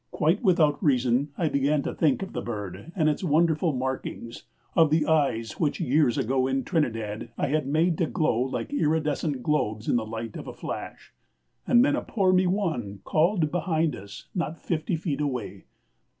Quite without reason I began to think of the bird, of its wonderful markings, of the eyes which years ago in Trinidad I had made to glow like iridescent globes in the light of a flash and then a poor me one called behind us, not fifty feet away.